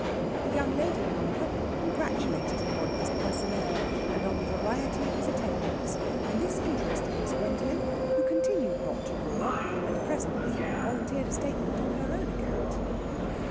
The young lady, however, congratulated him on his personnel and on the variety of his attainments; and this interested Miss Gwendolen, who continued not to roar, and presently volunteered a statement on her own account.